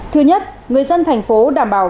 thứ nhất người dân thành phố đảm bảo